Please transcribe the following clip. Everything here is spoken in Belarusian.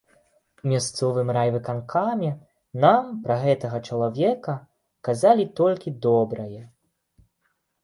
У мясцовым райвыканкаме нам пра гэтага чалавека казалі толькі добрае.